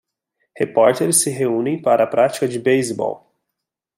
Repórteres se reúnem para a prática de beisebol.